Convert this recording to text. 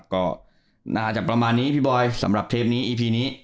ก็น่าจะประมาณนี้พี่บอยสำหรับเทปนี้อีพีนี้